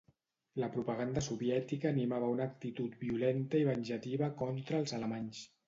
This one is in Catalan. La propaganda soviètica animava una actitud violenta i venjativa contra els alemanys.